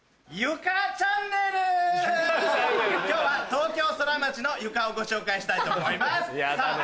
今日は東京ソラマチの床をご紹介したいと思います。